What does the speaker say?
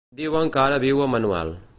Diuen que ara viu a Manuel.